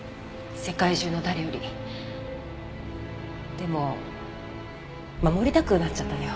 でも守りたくなっちゃったのよ